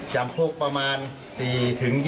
จำพบประมาณ๔๒๐ปี